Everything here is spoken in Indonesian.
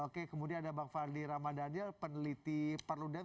oke kemudian ada bang fadli ramadhanil peneliti perludem